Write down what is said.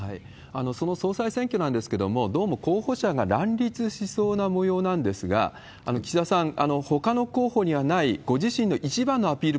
その総裁選挙なんですけれども、どうも候補者が乱立しそうなもようなんですが、岸田さん、ほかの候補にはない、ご自身の一番のアピール